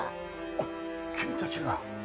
あっ君たちが。